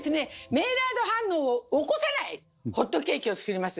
メイラード反応を起こさないホットケーキを作ります！